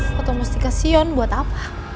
foto musik ke sion buat apa